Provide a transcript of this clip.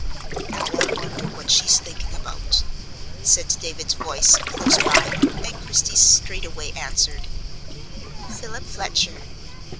"Now I wonder what she's thinking about," said David's voice close by, and Christie straightway answered: "Philip Fletcher."